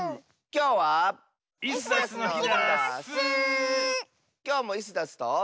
きょうもイスダスと。